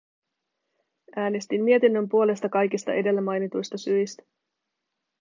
Äänestin mietinnön puolesta kaikista edellä mainituista syistä.